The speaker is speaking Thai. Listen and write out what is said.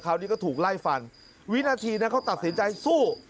คราวนี้ก็ถูกไล่ฟันวินาทีนั้นเขาตัดสินใจสู้